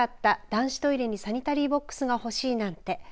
男子トイレにサニタリーボックスが欲しいなんて。